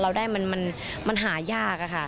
เราได้มันหายากอะค่ะ